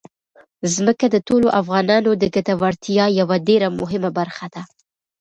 ځمکه د ټولو افغانانو د ګټورتیا یوه ډېره مهمه برخه ده.